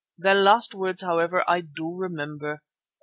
Their last words, however, I do remember.